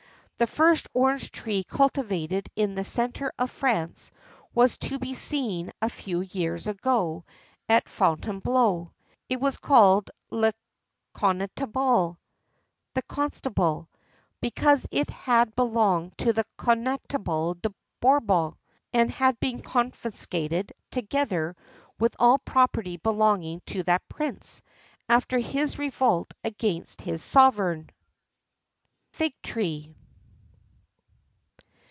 The first orange tree cultivated in the centre of France was to be seen a few years ago at Fontainebleau. It was called Le Connétable (the Constable), because it had belonged to the Connétable de Bourbon, and had been confiscated, together with all property belonging to that prince, after his revolt against his sovereign.[XIII 41] FIG TREE.